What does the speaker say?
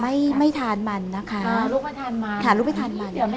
ลูกไม่ทานมันอันนี้เดี๋ยวแม่บอกละค่ะ